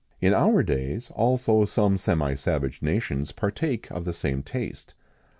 [XIX 115] In our days, also, some semi savage nations partake of the same taste.